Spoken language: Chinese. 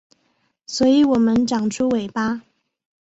所以我们长出尾巴